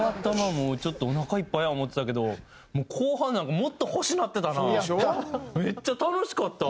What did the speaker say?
もうちょっとおなかいっぱいや思ってたけどもう後半なんかめっちゃ楽しかった。